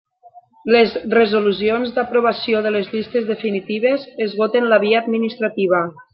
Les resolucions d'aprovació de les llistes definitives esgoten la via administrativa.